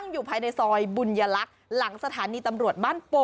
ดูสิน่าทานมาก